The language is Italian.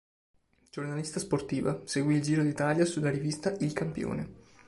Giornalista sportiva, seguì il Giro d'Italia sulla rivista "Il Campione".